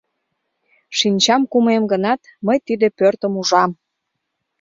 Шинчам кумем гынат, мый тиде пӧртым ужам...